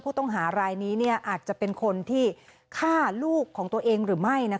ผู้ต้องหารายนี้อาจจะเป็นคนที่ฆ่าลูกของตัวเองหรือไม่